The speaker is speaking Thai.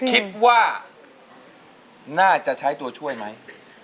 คิดว่าน่าจะใช้ตัวช่วยไหม